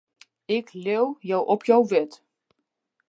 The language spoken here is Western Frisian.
Ik leau jo op jo wurd.